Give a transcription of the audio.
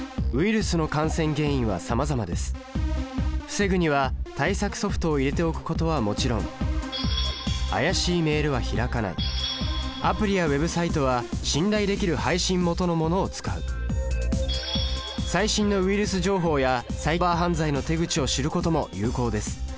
防ぐには対策ソフトを入れておくことはもちろん怪しいメールは開かないアプリやＷｅｂサイトは信頼できる配信元のものを使う最新のウイルス情報やサイバー犯罪の手口を知ることも有効です。